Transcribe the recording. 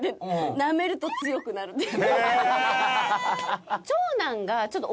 なめると強くなるっていう。